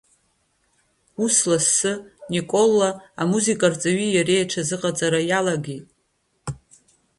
Ус лассы, Николло амузыка арҵаҩи иареи аҽазыҟаҵара иалагеит.